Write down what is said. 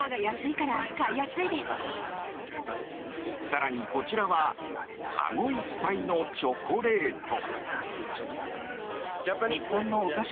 更にこちらは籠いっぱいのチョコレート。